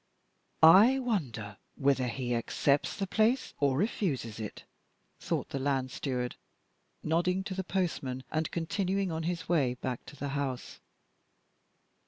"I wonder whether he accepts the place or refuses it?" thought the land steward, nodding to the postman, and continuing on his way back to the house.